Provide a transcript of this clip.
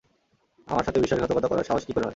আমার সাথে বিশ্বাসঘাতকতা করার সাহস কি করে হয়!